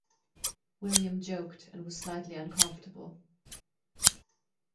William joked, and was slightly uncomfortable.